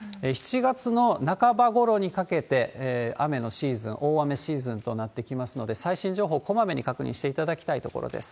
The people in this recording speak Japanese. ７月の半ばごろにかけて、雨のシーズン、大雨シーズンとなってきますので、最新情報、こまめに確認していただきたいところです。